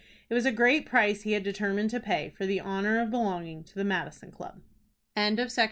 It was a great price he had determined to pay for the honor of belonging to the Madison Club. CHAPTER XXI.